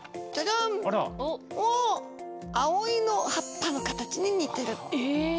アオイの葉っぱの形に似てる。